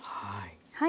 はい。